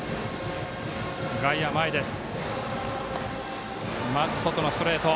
外野は前です。